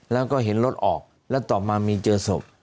แล้วก็เห็นรถออกแล้วต่อมามีเจอศพ